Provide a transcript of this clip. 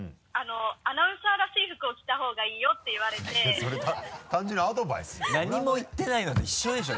「アナウンサーらしい服を着たほうがいいよ」って言われてそれ単純にアドバイスだよ。